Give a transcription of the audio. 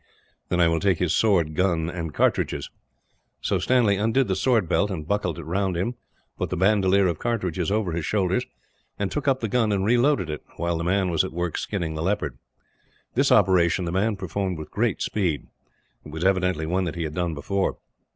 "Then I will take his sword, gun, and cartridges." So Stanley undid the sword belt, and buckled it round him; put the bandolier of cartridges over his shoulders; and took up the gun and reloaded it, while the man was at work skinning the leopard. This operation the man performed with great speed. It was evidently one that he had done before.